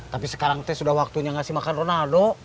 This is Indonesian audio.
tapi sekarang teh sudah waktunya ngasih makan ronaldo